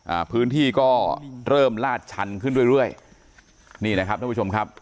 อ่าพื้นที่ก็เริ่มลาดชันขึ้นเรื่อยเรื่อยนี่นะครับท่านผู้ชมครับ